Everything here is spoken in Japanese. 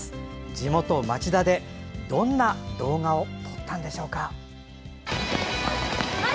地元・町田でどんな動画を撮ったのでしょうか。